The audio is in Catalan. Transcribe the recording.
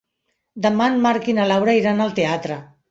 Demà en Marc i na Laura iran al teatre.